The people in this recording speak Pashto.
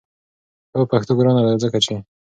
هو پښتو ګرانه ده! ځکه چې